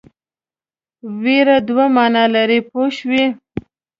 وېره دوه معناوې لري پوه شوې!.